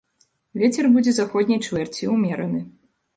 Вецер будзе заходняй чвэрці ўмераны.